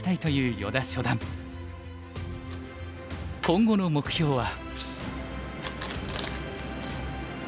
今後の目標は。